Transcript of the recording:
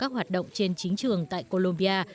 và các hoạt động trên chính trường tại colombia